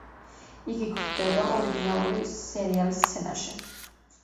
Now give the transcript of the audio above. იგი გვხვდება ორიგინალური სერიალის სცენარში.